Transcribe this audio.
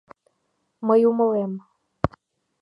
Мый умылем.